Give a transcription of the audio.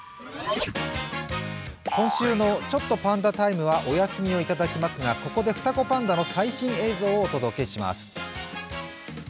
今週の「ちょっとパンダＴＩＭＥ，」はお休みをいただきますが、ここで双子パンダの最新映像をお届けします。